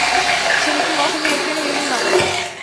ছেলেকে কখনও এখানে এনো না।